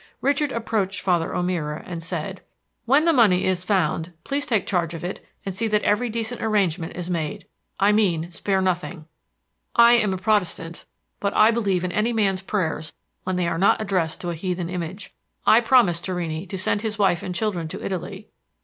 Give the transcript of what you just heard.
Richard approached Father O'Meara and said: "When the money is found, please take charge of it, and see that every decent arrangement is made. I mean, spare nothing. I am a Protestant, but I believe in any man's prayers when they are not addressed to a heathen image. I promised Torrini to send his wife and children to Italy.